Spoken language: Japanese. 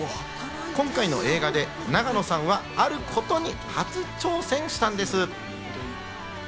今回の映画で永野さんはあることに初挑戦したんです。